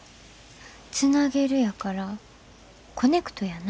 つなげるやからコネクトやな。